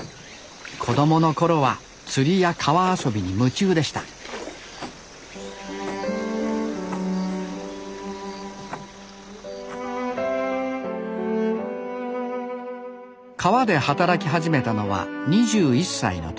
子供の頃は釣りや川遊びに夢中でした川で働き始めたのは２１歳の時。